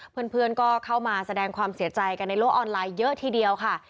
เพื่อนก็เข้ามาแสดงความเสียใจกันในโลกออนไลน์เยอะทีเดียวค่ะ